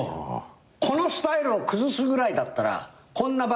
「このスタイルを崩すぐらいだったらこんな番組やめます」って。